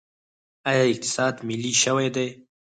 آیا اقتصاد ملي شوی دی؟